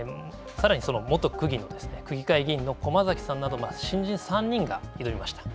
さらに、その元区議の区議会議員の駒崎さんなど、新人３人が挑みました。